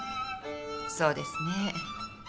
そうですね。